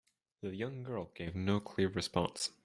The young girl gave no clear response.